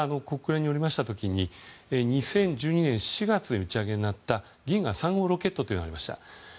私が国連におりました時に２０１２年４月に打ち上げになった「銀河３号」ロケットというのがありました。